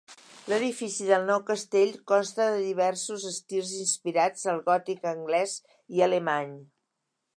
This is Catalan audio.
L'edifici del nou castell consta de diversos estils inspirats al gòtic anglès i alemany.